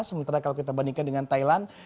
sementara kalau kita bandingkan dengan thailand